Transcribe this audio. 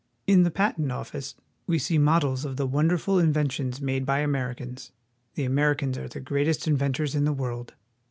In the Patent Office we see models of the wonderful in ventions made by Americans. The Americans are the greatest inventors in the world.